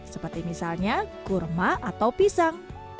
seperti misalnya kurma atau pisang